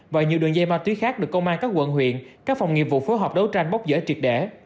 và nhiều đường dây ma túy khác được công an các quận huyện các phòng nghiệp vụ phối hợp đấu tranh bóc dở triệt đẻ